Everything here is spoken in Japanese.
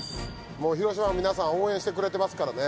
もう広島の皆さん応援してくれてますからね